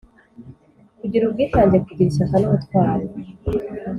kugira ubwitange, kugira ishyaka n’ubutwari,